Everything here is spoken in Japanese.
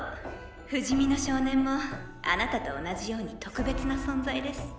不死身の少年もあなたと同じように特別な存在です。